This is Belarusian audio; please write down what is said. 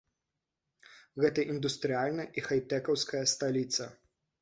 Гэта індустрыяльная і хайтэкаўская сталіца.